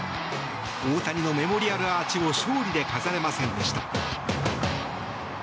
大谷のメモリアルアーチを勝利で飾れませんでした。